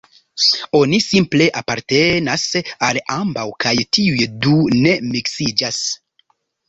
Oni simple apartenas al ambaŭ kaj tiuj du ne miksiĝas.